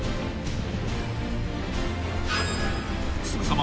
［すぐさま］